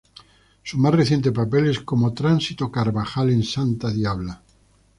Su más reciente papel es como "Tránsito Carvajal" en "Santa Diabla".